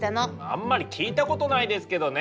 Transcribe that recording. あんまり聞いたことないですけどね。